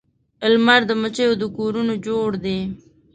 لمر د مچېو د کورونو جوړ دی